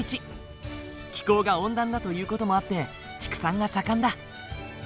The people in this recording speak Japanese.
気候が温暖だという事もあって畜産が盛んだ。